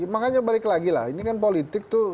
makanya balik lagi lah ini kan politik tuh